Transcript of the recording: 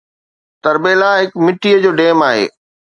تربيلا هڪ مٽيءَ جو ڊيم آهي